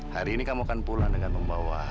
hari ini kamu akan pulang dengan membawa